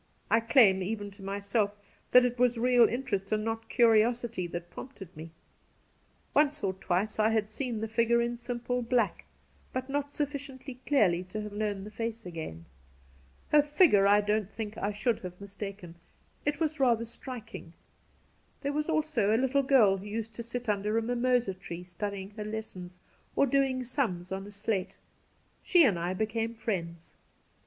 I claim — even to myself — that it was real interest and not curiosity that prompted Cassidy 143 me. Once or twice I had seen the figure in simple black, but not su£B.ciently clearly to have known the face again. Her figure I don't think I should have mistaken ; it was rather striking. There was also a little girl who used to sit under a mimosa tree studying her lessons or doing sums on a slate. She and I became friends.